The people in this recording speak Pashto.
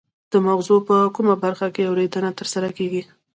د مغزو په کومه برخه کې اوریدنه ترسره کیږي